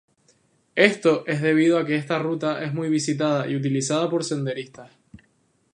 Esto es debido a que esta ruta es muy visitada y utilizada por senderistas.